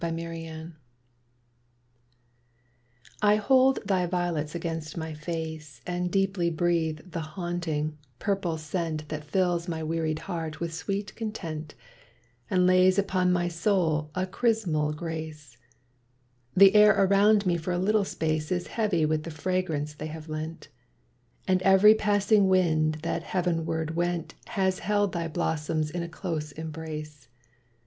tDiolets HOLD thy violets against my face And deeply breathe the haunting, purple scent That fills my weary heart with sweet content And lays upon my soul a chrismal grace ; The air around me for a little space Is heavy with the fragrance they have lent, And every passing wind that heaven ward went Has held thy blossoms in a close embrace.